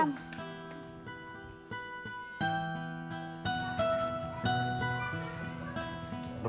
bapak kakak mau pulang